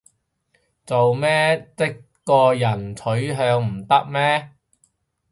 做咩唧個人取向唔得咩